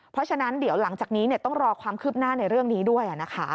เพราะฉะนั้นเดี๋ยวหลังจากนี้ต้องรอความคืบหน้าในเรื่องนี้ด้วย